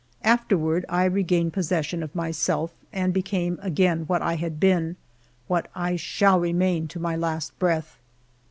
Afterward I regained possession of myself, and became again what I had been, what I shall remain to my last breath.